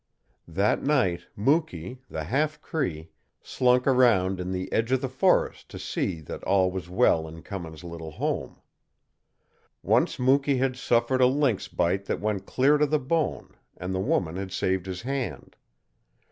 That night Mukee, the half Cree, slunk around in the edge of the forest to see that all was well in Cummins' little home. Once Mukee had suffered a lynx bite that went clear to the bone, and the woman had saved his hand.